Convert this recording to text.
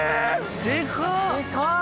でかっ。